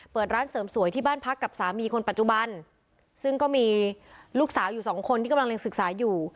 เปิดร้านเสริมสวยที่บ้านพักกับสามีคนปัจจุบันซึ่งก็มีลูกสาวอยู่สองคนที่กำลังเรียนศึกษาอยู่